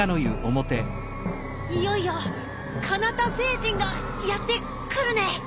いよいよカナタ星人がやってくるね。